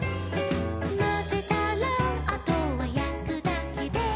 「まぜたらあとはやくだけで」